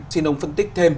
xin ông phân tích thêm